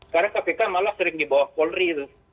karena kpk malah sering dibawah polri